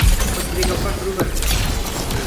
পত্রিকা পড়া শুরু করেন।